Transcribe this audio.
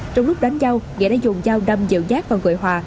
trong lúc đánh giao nghĩa đã dùng dao đâm dự giác vào người hòa